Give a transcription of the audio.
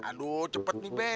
aduh cepet nih beh